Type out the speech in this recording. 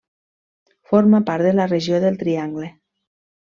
Forma part de la regió del Triangle.